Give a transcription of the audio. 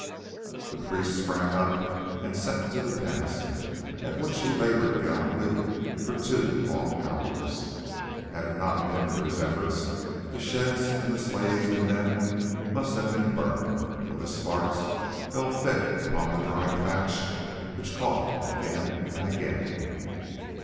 The priest sprang up and set to the task, at which he laboured gallantly for two long hours. Had it not been for his efforts, the sheds and the slaves in them must have been burnt, for the sparks fell thick upon the dry thatch, which caught again and again.